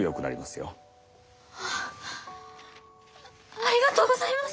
ありがとうございます！